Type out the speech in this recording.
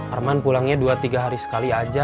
arman pulangnya dua tiga hari sekali aja